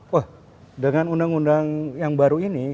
wah dengan undang undang yang baru ini